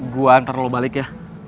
gue antar lo balik ya